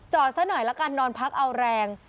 ซะหน่อยละกันนอนพักเอาแรง